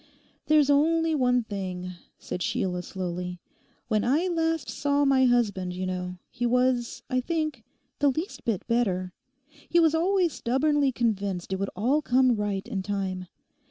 'There's only one thing,' said Sheila slowly. 'When I last saw my husband, you know, he was, I think, the least bit better. He was always stubbornly convinced it would all come right in time.